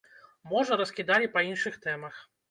Можа, раскідалі па іншых тэмах.